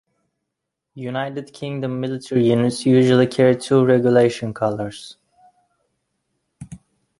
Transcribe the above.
United Kingdom military units usually carry two Regulation Colours.